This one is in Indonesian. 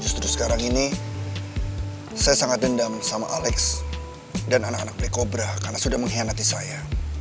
justru sekarang ini saya sangat dendam sama alex dan anak anak beli kobra karena sudah mengkhianati saya